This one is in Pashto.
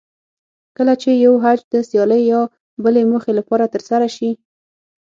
کله چې یو حج د سیالۍ یا بلې موخې لپاره ترسره شي.